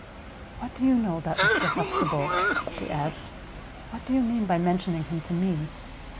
"What do you know about Mr. Huxtable?" she asked. "What do you mean by mentioning him to me?"